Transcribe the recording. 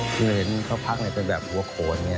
คือเห็นเขาพักเป็นแบบหัวโขน